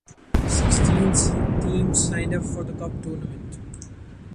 Sixteen teams signed up for the Cup tournament.